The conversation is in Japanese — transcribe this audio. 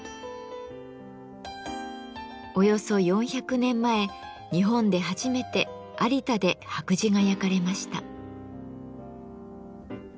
およそ４００年前日本で初めて有田で白磁が焼かれました。